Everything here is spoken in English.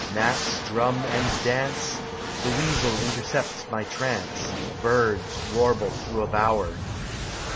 Gnats drum and dance. The weasel intercepts my trance. Birds warble through a bower.